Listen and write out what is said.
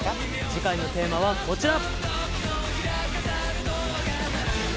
次回のテーマはこちら。